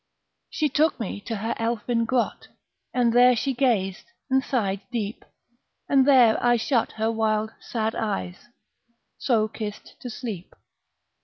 She took me to her elfin grot, And there she gazed and sighed deep, And there I shut her wild, sad eyes So kissed to sleep.